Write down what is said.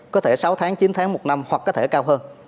có thể sáu tháng chín tháng một năm hoặc có thể cao hơn